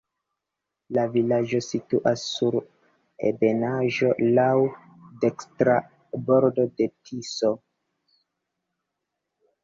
La vilaĝo situas sur ebenaĵo, laŭ dekstra bordo de Tiso.